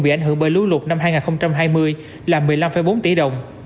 bị ảnh hưởng bởi lũ lụt năm hai nghìn hai mươi là một mươi năm bốn tỷ đồng